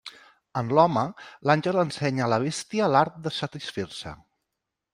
En l'home, l'àngel ensenya a la bèstia l'art de satisfer-se.